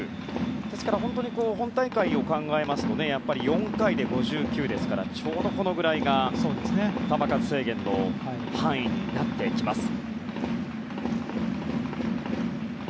ですから本大会を考えますと４回で５９ですからちょうどこのくらいが球数制限の範囲になってきます。